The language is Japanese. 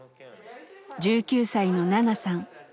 １９歳のナナさん。